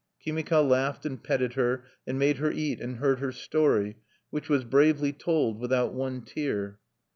Kimika laughed, and petted her, and made her eat, and heard her story, which was bravely told, without one tear.